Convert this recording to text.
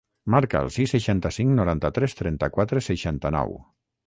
Marca el sis, seixanta-cinc, noranta-tres, trenta-quatre, seixanta-nou.